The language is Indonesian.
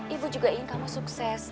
ibu juga ingin kamu sukses